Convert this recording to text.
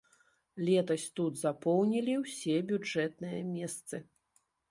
Летась тут запоўнілі ўсе бюджэтныя месцы.